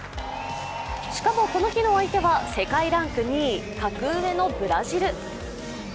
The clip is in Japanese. しかもこの日の相手は世界ランク２位、格上のブラジル。